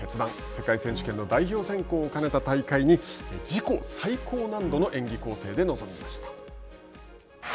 世界選手権の代表選考を兼ねた大会に自己最高難度の演技構成で臨みました。